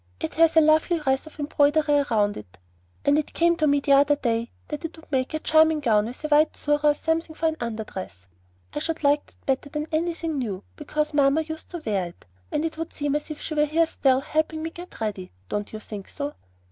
It has a lovely wreath of embroidery round it; and it came to me the other day that it would make a charming gown, with white surah or something for the under dress. I should like that better than anything new, because mamma used to wear it, and it would seem as if she were here still, helping me to get ready. Don't you think so?"